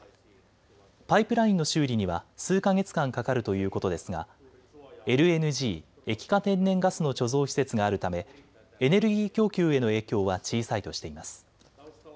パイプラインの修理には数か月間かかるということですがＬＮＧ・液化天然ガスの貯蔵施設があるためエネルギー供給への影響は小さいとしています。